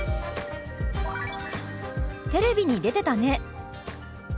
「テレビに出てたね」。